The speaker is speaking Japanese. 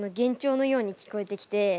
のように聞こえてきて。